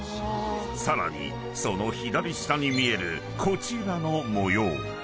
［さらにその左下に見えるこちらの模様］